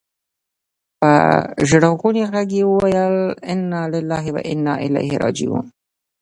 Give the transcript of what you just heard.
په ژړغوني ږغ يې وويل انا لله و انا اليه راجعون.